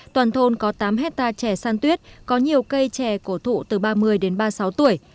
toàn thôn có tám hectare trẻ san tuyết có nhiều cây chè cổ thụ từ ba mươi đến ba mươi sáu tuổi